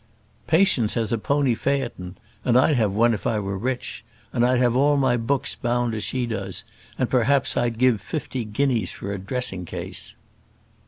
"Patience has a pony phaeton, and I'd have one if I were rich; and I'd have all my books bound as she does; and, perhaps, I'd give fifty guineas for a dressing case."